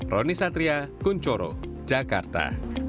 roni satria kuncoro jakarta